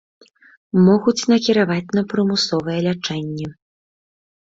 Могуць накіраваць на прымусовае лячэнне.